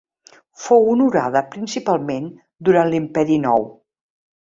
Fou honorada principalment durant l'imperi nou.